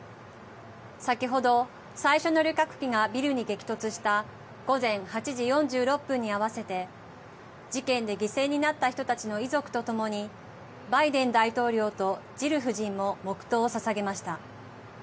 先ほど最初の旅客機がビルに激突した午前８時４６分に合わせて事件で犠牲になった人の遺族と共にバイデン大統領とジル夫人も黙とうをささげました。